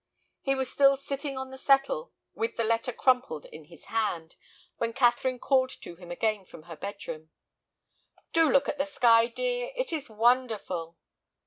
He was still sitting on the settle with the letter crumpled in his hand, when Catherine called to him again from her bedroom. "Do look at the sky, dear, it is wonderful."